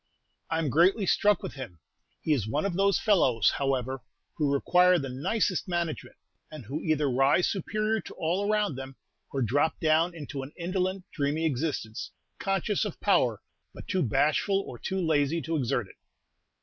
"I'm greatly struck with him. He is one of those fellows, however, who require the nicest management, and who either rise superior to all around them, or drop down into an indolent, dreamy existence, conscious of power, but too bashful or too lazy to exert it."